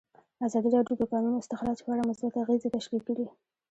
ازادي راډیو د د کانونو استخراج په اړه مثبت اغېزې تشریح کړي.